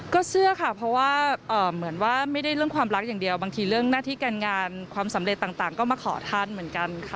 ก็เชื่อค่ะเพราะว่าเหมือนว่าไม่ได้เรื่องความรักอย่างเดียวบางทีเรื่องหน้าที่การงานความสำเร็จต่างก็มาขอท่านเหมือนกันค่ะ